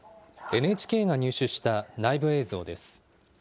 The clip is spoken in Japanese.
ＮＨＫが入手した内部映像です。